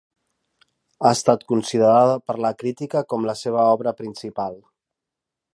Ha estat considerada per la crítica com la seva obra principal.